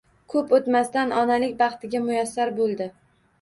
Ko`p o`tmasdan onalik baxtiga muyassar bo`ldi